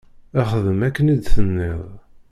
Xdem akken i d-tenniḍ.